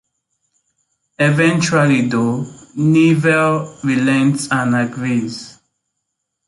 Eventually, though, Knievel relents and agrees.